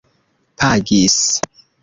pagis